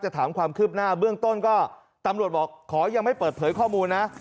ถามความคืบหน้าเบื้องต้นก็ตำรวจบอกขอยังไม่เปิดเผยข้อมูลนะ